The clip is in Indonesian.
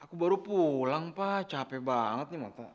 aku baru pulang pak capek banget nih